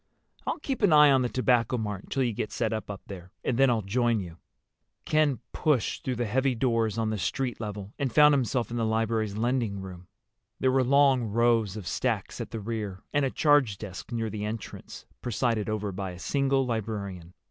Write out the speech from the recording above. "I'll keep an eye on the Tobacco Mart until you get set up there, and then I'll join you." Ken pushed through the heavy doors on the street level and found himself in the library's lending room. There were long rows of stacks at the rear, and a charge desk near the entrance presided over by a single librarian.